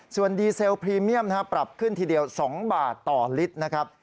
ส่วนดีเซลพรีเมียมปรับขึ้นทีเดียว๒บาทต่อลิตรนะครับ